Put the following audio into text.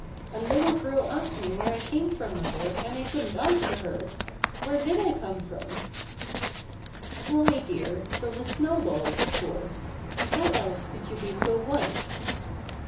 "A little girl asked me where I came from, mother, and I couldn't answer her. Where did I come from?" "Why, dear, from a snowball, of course. How else could you be so white?"